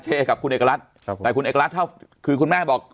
นี่เวลาผมจะบดเดี๋ยวช่วงน่ากลับมาถนาเชย์ของคุณเอกรัฐ